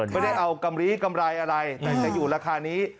ไม่ได้เอากำลีกำไรอะไรแต่จะอยู่ราคานี้